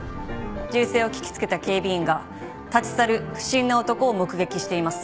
銃声を聞き付けた警備員が立ち去る不審な男を目撃しています。